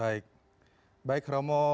baik baik romo